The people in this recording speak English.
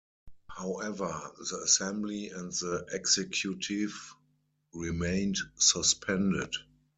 However, the Assembly and the Executive remained suspended.